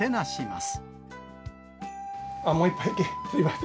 すみません。